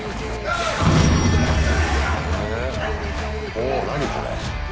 お何これ。